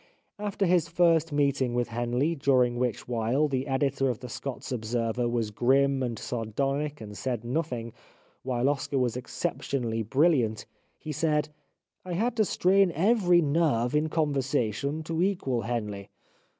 After his first meeting with Henley during which while the editor of The Scots Observer was grim and sardonic and said nothing, while Oscar was ex ceptionally brilliant, he said :*' I had to strain every nerve in conversation to equal Henley."